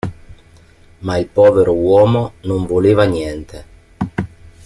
Ma il povero uomo non voleva niente.